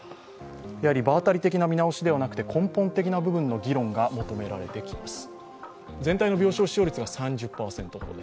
やはり場当たり的な見直しではなく根本的な議論が求められてきます。